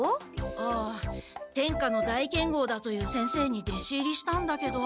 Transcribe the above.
ああ天下の大剣豪だという先生にでし入りしたんだけど。